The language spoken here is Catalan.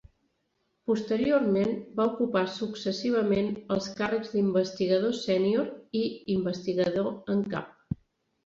Posteriorment, va ocupar successivament els càrrecs d'investigador sènior i investigador en cap.